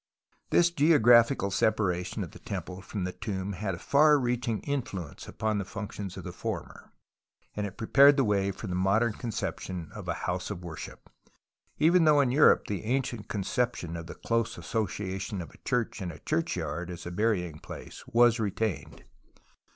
This geographical separation of the temple from the tomb had a far reaching influence upon the functions of the former, and prepared the way for the modern concep tion of a house of worship, even though in Europe the ancient conception of the close association of a church and a churchyard (as a burying place) was retained.